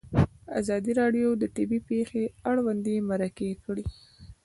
ازادي راډیو د طبیعي پېښې اړوند مرکې کړي.